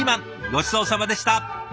ごちそうさまでした。